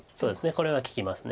これは利きます。